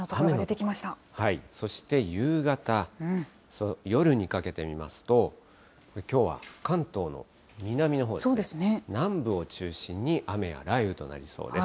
そして夕方、夜にかけて見ますと、きょうは関東、南のほうですね、南部を中心に雨や雷雨となりそうです。